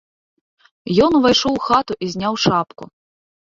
Ён увайшоў у хату і зняў шапку.